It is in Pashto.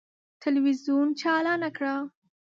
تلویزون چالانه کړه!